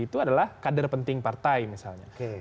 itu adalah kader penting partai misalnya